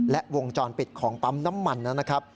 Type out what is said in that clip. และวงจรปิดของปั๊มน้ำมันนะครับ